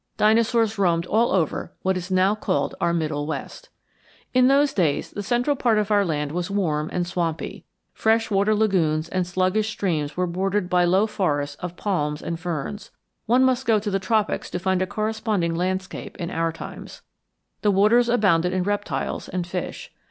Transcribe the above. Dinosaurs roamed all over what is now called our middle west. In those days the central part of our land was warm and swampy. Fresh water lagoons and sluggish streams were bordered by low forests of palms and ferns; one must go to the tropics to find a corresponding landscape in our times. The waters abounded in reptiles and fish.